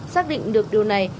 xác định được điều này